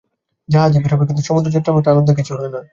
জাহাজে ভিড় হবে, কিন্তু সমুদ্র যাত্রার মত আনন্দের কিছু হয় না।